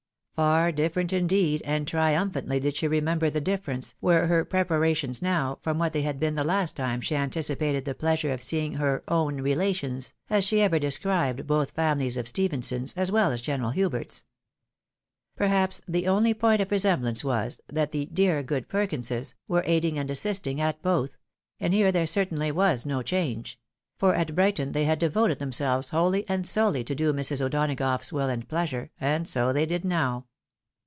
Far different indeed, and triumphantly did she remember the difference, were her prepa rations now, from what they had been the last time she antici pated the pleasure of seeing her " own relations," as she ever described both families of Stephensons, as well as General Hubert's. Perhaps the only point of resemblance was, that the " dear good Perkinses " were aiding and assisting at both ; and here there certainly was no change, — for at Brighton they had devoted themselves wholly and solely to do Mrs. O'Dona gough's will and pleasure, and so they did now.